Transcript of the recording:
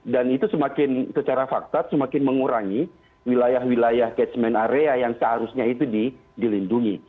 dan itu semakin secara faktat semakin mengurangi wilayah wilayah catchment area yang seharusnya itu dilindungi